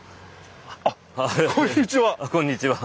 あっこんにちは！